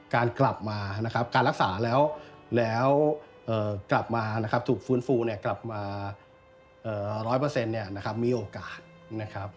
การกลับมานะครับการรักษาแล้วกลับมาถูกฟื้นฟูกลับมา๑๐๐มีโอกาสนะครับ